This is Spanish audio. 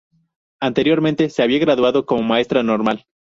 Anteriormente se había graduado como Maestra Normal.